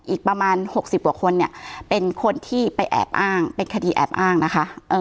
อีกประมาณ๖๐กว่าคนเนี่ยเป็นคนที่ไปแอบอ้างเป็นคดีแอบอ้างนะคะ